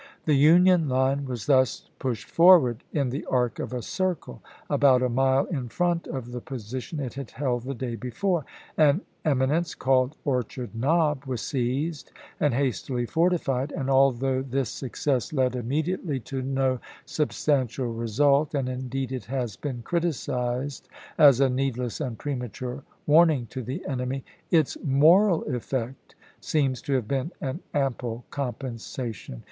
The Union line was thus pushed forward in the arc of a circle about a mile in front of the position it had held the day before. An eminence called Orchard Knob was seized and hastily fortified, and although this success led immediately to no sub stantial result (and, indeed, it has been criticized as a needless and prematiu^e warning to the enemy), its moral effect seems to have been an ample com pensation.